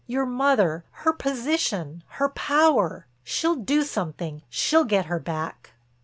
Your mother, her position, her power—she'll do something, she'll get her back."